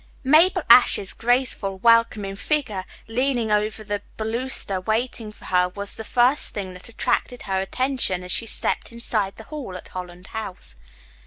Mabel Ashe's graceful, welcoming figure leaning over the baluster waiting for her was the first thing that attracted her attention as she stepped inside the hall at Holland House.